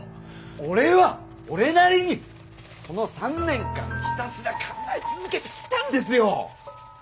俺は俺なりにこの３年間ひたすら考え続けてきたんですよ。